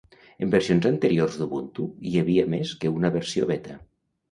En versions anterior d'Ubuntu, hi havia més que una versió Beta.